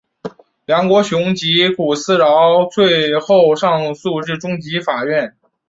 梁国雄及古思尧最后上诉至终审法院。